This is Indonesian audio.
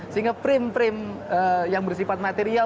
sehingga frame frame yang bersifat material